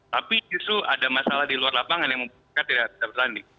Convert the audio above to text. tapi justru ada masalah di luar lapangan yang membuat mereka tidak bisa bertanding